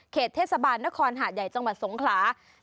เทศบาลนครหาดใหญ่จังหวัดสงขลา